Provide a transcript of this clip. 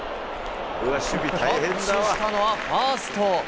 キャッチしたのはファースト。